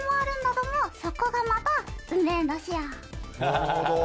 なるほど。